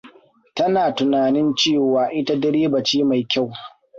Tana tunanin cewa ita direba ce mai kyau.